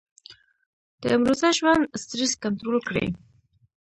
د امروزه ژوند سټرېس کنټرول کړي -